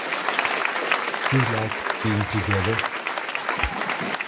We liked being together.